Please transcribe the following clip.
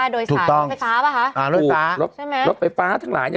โดยสารรถไฟฟ้าป่ะคะใช่มั้ยถูกรถไฟฟ้าทั้งหลายเนี่ย